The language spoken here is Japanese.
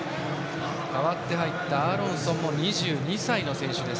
代わって入ったアーロンソンは２２歳の選手。